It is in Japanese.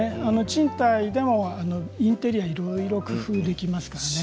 賃貸でもインテリアいろいろ工夫できますからね。